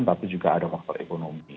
tapi juga ada faktor ekonomi